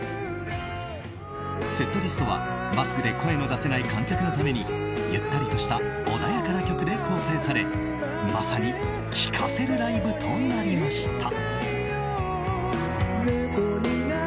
セットリストは、マスクで声の出せない観客のためにゆったりとした穏やかな曲で構成されまさに聴かせるライブとなりました。